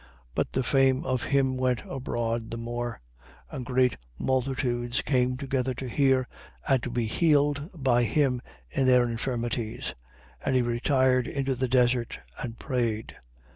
5:15. But the fame of him went abroad the more: and great multitudes came together to hear and to be healed by him of their infirmities. 5:16. And he retired into the desert; and prayed.